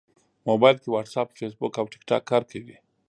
موبایل کې واټساپ، فېسبوک او ټېکټاک کار کوي.